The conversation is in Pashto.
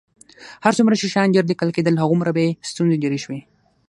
هر څومره چې شیان ډېر لیکل کېدل، همغومره به یې ستونزې ډېرې شوې.